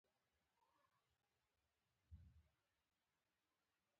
د فراه په پرچمن کې د مسو نښې شته.